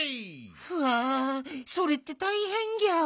うわそれってたいへんギャオ。